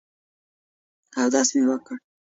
اودس مې وکړ.